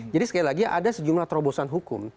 jadi sekali lagi ada sejumlah terobosan hukum